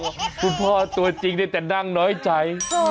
คุณพ่อตัวจริงได้แต่นั่งน้อยใจ